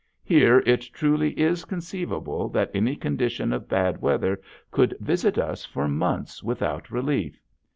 Here it truly is conceivable that any condition of bad weather could visit us for months without relief.